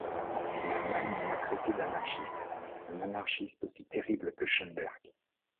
En Allemagne on m'a traité d'anarchiste, un anarchiste aussi terrible que Schoenberg.